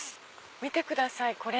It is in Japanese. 見てください